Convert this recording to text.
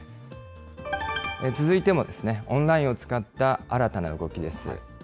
続いてもオンラインを使った新たな動きです。